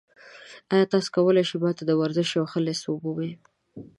ایا تاسو کولی شئ ما ته د ورزش یو ښه لیست ومومئ؟